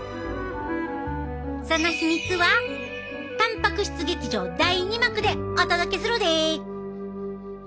その秘密はたんぱく質劇場第二幕でお届けするで。